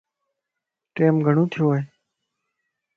ٽيم گھڙو ٿيو ائي.